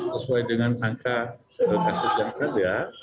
sesuai dengan angka kasus yang ada